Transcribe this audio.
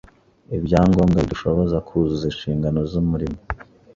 ibyangombwa bidushoboza kuzuza inshingano z’umurimo